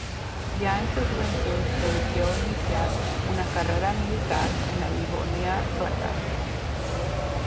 Ya en su juventud eligió iniciar una carrera militar en la Livonia Sueca.